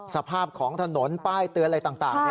สภาพของถนนป้ายเตือนอะไรต่าง